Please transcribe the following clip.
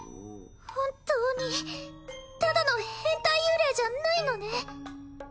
本当にただの変態幽霊じゃないのね？